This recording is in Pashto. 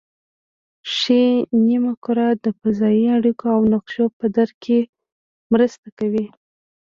ښي نیمه کره د فضایي اړیکو او نقشو په درک کې مرسته کوي